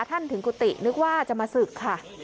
ถึงกุฏินึกว่าจะมาศึกค่ะ